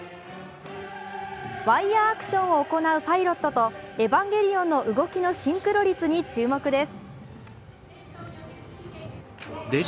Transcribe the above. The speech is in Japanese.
ワイヤーアクションを行うパイロットとエヴァンゲリオンの動きのシンクロ率に注目です。